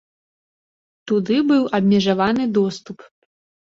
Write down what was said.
Туды быў абмежаваны доступ.